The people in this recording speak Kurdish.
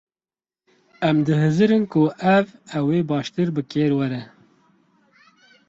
Em dihizirin ku ev ew ê baştir bi kêr were.